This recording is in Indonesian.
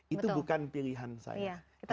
itu bukan pilihan saya